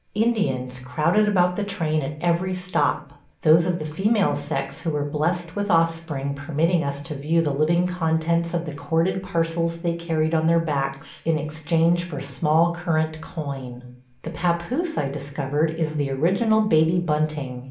Indians crowded about the train at every stop; those of the female sex who were blessed with offspring permitting us to view the living contents of the corded parcels they carried on their backs in exchange for small current coin. The pappoose, I discovered, is the original Baby Bunting.